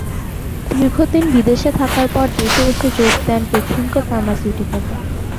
দীর্ঘদিন বিদেশে থাকার পর দেশে এসে যোগ দেন বেক্সিমকো ফার্মাসিউটিক্যালে।